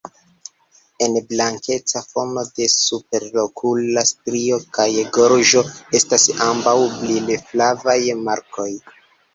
En blankeca fono de superokula strio kaj gorĝo estas ambaŭ brilflavaj markoj.